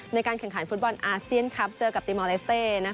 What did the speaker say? ในการแข่งขันฟุตบอลอาเซียนคลับเจอกับติมอลเลสเต้